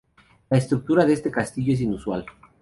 La estructura de este castillo es inusual.